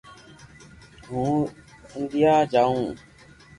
ھون انڌيا جاو